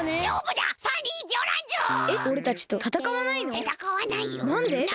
なんで？